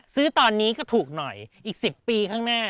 ซื้อตอนนี้ก็ถูกหน่อยอีก๑๐ปีข้างหน้า